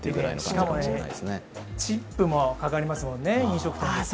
しかもね、チップもかかりますもんね、飲食店ですと。